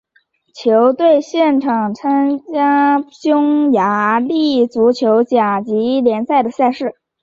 球队现在参加匈牙利足球甲级联赛的赛事。